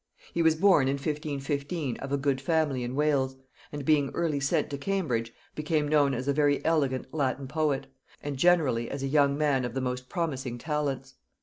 He was born in 1515 of a good family in Wales, and, being early sent to Cambridge, became known as a very elegant Latin poet, and generally as a young man of the most promising talents.